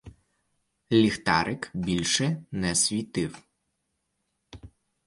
Ліхтарик більше не світив.